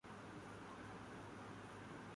مغربی فریسیئن